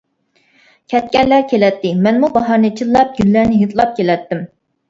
كەتكەنلەر كېلەتتى، مەنمۇ باھارنى چىللاپ، گۈللەرنى ھىدلاپ كېلەتتىم.